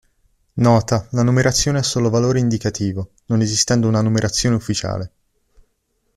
Nota: la numerazione ha solo valore indicativo, non esistendo una numerazione ufficiale.